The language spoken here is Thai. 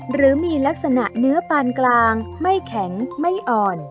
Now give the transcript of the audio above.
หรือมีลักษณะเนื้อปานกลางไม่แข็งไม่อ่อน